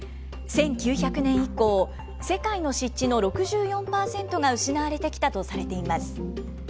１９００年以降、世界の湿地の６４％が失われてきたとされています。